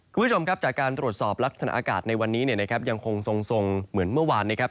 คุณผู้ชมจากการตรวจสอบลักษณะอากาศในวันนี้ยังคงทรงเหมือนเมื่อวาน